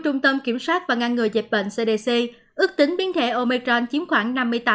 trung tâm kiểm soát và ngăn ngừa dịch bệnh cdc ước tính biến thể omecron chiếm khoảng năm mươi tám